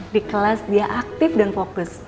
di kelas dia aktif dan fokus